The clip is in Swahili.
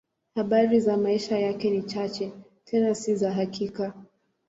Habari za maisha yake ni chache, tena si za hakika.